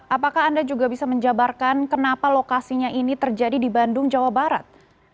apakah anda juga bisa menjabarkan kenapa lokasinya ini terjadi di bandung jawa barat